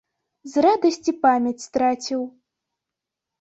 З радасці памяць страціў.